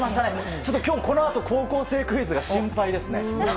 ちょっときょう、このあと高校生クイズが心配ですね。